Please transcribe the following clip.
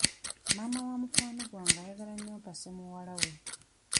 Maama wa mukwano gwange ayagala nnyo mpase muwala we.